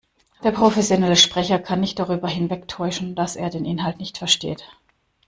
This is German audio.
Der professionelle Sprecher kann nicht darüber hinwegtäuschen, dass er den Inhalt nicht versteht.